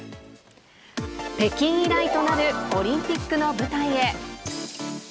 北京以来となるオリンピックの舞台へ。